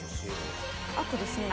あとですね